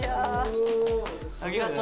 ありがとう。